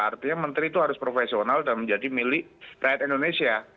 artinya menteri itu harus profesional dan menjadi milik rakyat indonesia